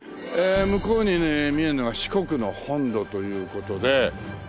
向こうにね見えるのが四国の本土という事で。